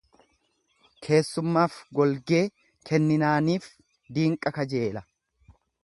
Keessummaaf golgee kenninaaniif diinqa kajeela.